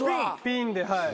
ピンではい。